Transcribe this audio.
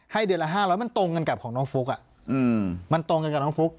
เดือนละ๕๐๐มันตรงกันกับของน้องฟุ๊กมันตรงกันกับน้องฟุ๊ก